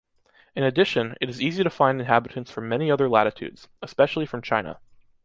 In addition, it is easy to find inhabitants from many other latitudes, especially from China.